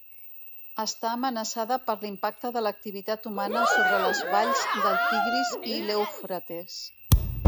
Està amenaçada per l'impacte de l'activitat humana sobre les valls del Tigris i l'Eufrates.